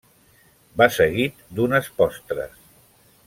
Va seguit d'unes postres.